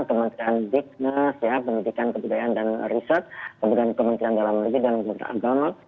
kementerian dignas pendidikan kebudayaan dan riset kemudian kementerian dalam negeri dan kementerian agama